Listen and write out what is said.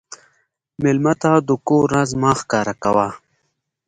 مېلمه ته د کور راز مه ښکاره کوه.